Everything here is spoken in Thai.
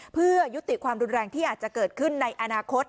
เพื่อยุติความรุนแรงที่อาจจะเกิดขึ้นในอนาคต